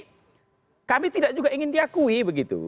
tapi kami tidak juga ingin diakui begitu